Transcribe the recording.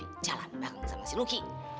si opi jalan bang sama si nuki